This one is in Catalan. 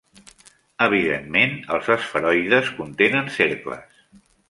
Evidentment, els esferoides contenen cercles.